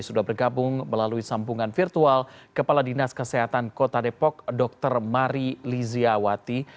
sudah bergabung melalui sambungan virtual kepala dinas kesehatan kota depok dr mari liziawati